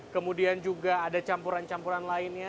kemudian juga ada campuran campuran lainnya